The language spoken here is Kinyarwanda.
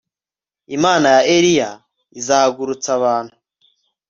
Imana ya Eliya izahagurutsa abantu